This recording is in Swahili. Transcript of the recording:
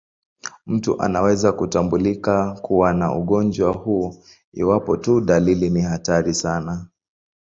Mtu anaweza kutambulika kuwa na ugonjwa huu iwapo tu dalili ni hatari sana.